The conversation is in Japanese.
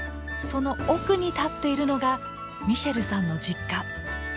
その奥に建っているのがミシェルさんの実家。